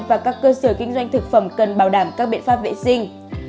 và các cơ sở kinh doanh thực phẩm cần bảo đảm các biện pháp vệ sinh